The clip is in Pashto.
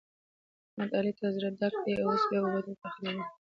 د احمد؛ علي ته زړه ډک دی اوس اوبه ورته خړوي.